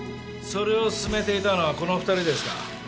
それを進めていたのはこの２人ですか？